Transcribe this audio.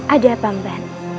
ada apa mbak